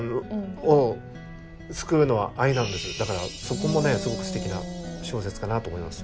そこもねすごくすてきな小説かなと思います。